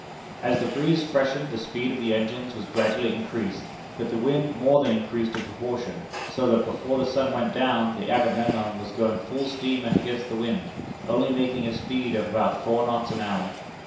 As the breeze freshened, the speed of the engines was gradually increased, but the wind more than increased in proportion, so that, before the sun went down, the Agamemnon was going full steam against the wind, only making a speed of about four knots an hour.